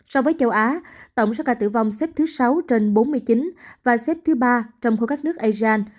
so với châu á tổng số ca tử vong xếp thứ sáu trên bốn mươi chín và xếp thứ ba trong khối các nước asean